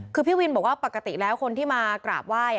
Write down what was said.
คือพี่วินบอกว่าปกติแล้วคนที่มากราบไหว้